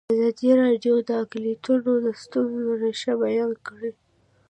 ازادي راډیو د اقلیتونه د ستونزو رېښه بیان کړې.